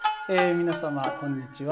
皆様こんにちは。